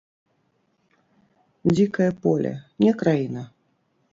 Дзікае поле, не краіна!